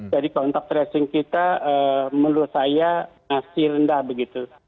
jadi kontak tracing kita menurut saya masih rendah begitu